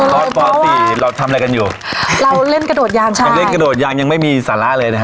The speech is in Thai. ปสี่เราทำอะไรกันอยู่เราเล่นกระโดดยางใช่ยังเล่นกระโดดยางยังไม่มีสาระเลยนะฮะ